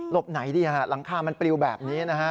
หลบไหนหลังคามันปริวแบบนี้